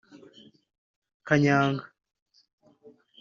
kanyanga